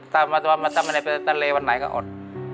ถ้าไม่ได้ไปทะเลวันไหนก็อด